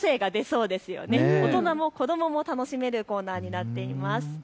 大人も子どもも楽しめるコーナーになっています。